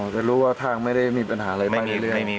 จะรู้ว่าทางไม่ได้มีปัญหาอะไรมาเรื่อย